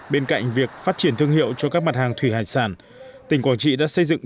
bên cạnh việc phát triển thương hiệu cho các mặt hàng thủy hải sản tỉnh quảng trị đã xây dựng